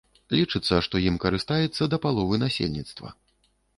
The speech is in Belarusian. Лічыцца, што ім карыстаецца да паловы насельніцтва.